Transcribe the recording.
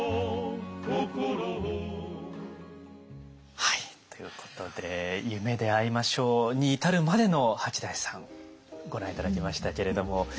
はいということで「夢であいましょう」に至るまでの八大さんご覧頂きましたけれども。